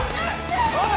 おい！